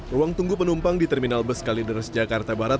ruang tunggu penumpang di terminal bus kalideres jakarta barat